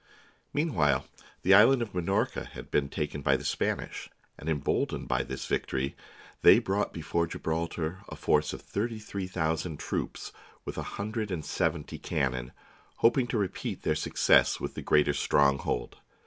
Meanwhile the island of Minorca had been taken by the Spanish, and, emboldened by this victory, they brought before Gibraltar a force of thirty three thousand troops, with a hundred and seventy cannon, hoping to repeat their success with the greater stronghold.